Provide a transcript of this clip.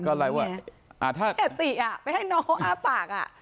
แค่ติะอ่ะไปให้น้องอาปากอ่ะ